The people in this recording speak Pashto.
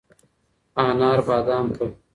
انار بادام تـه